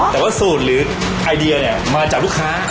แต่ว่าสูตรหรือไอเดียเนี่ยมาจากลูกค้า